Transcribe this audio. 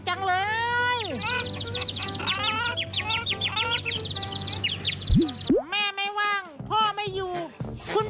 เห็นกระเทียมกองไว้ที่พื้น